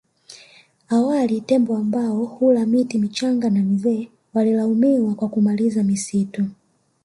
Awali tembo ambao hula miti michanga na mizee walilaumiwa kwa kumaliza misitu